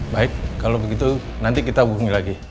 baik kalau begitu nanti kita hubungi lagi